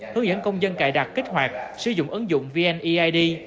hướng dẫn công dân cài đặt kích hoạt sử dụng ứng dụng vneid